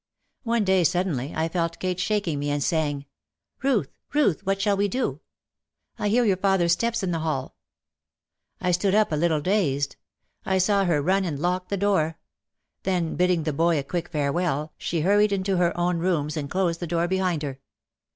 One day suddenly I felt Kate shaking me and saying, "Ruth, Ruth, what shall we do? I hear your father's steps in the hall !" I stood up a little dazed. I saw her run and lock the door. Then bidding the boy a quick fare well she hurried into her own rooms and closed the door behind her.